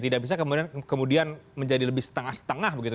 tidak bisa kemudian menjadi lebih setengah setengah begitu